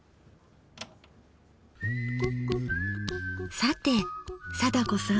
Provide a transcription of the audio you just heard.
さて貞子さん。